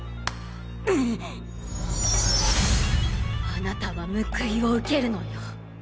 あなたは報いを受けるのよ。